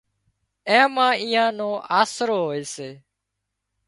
اين مان ايئان نو آسرو هوئي سي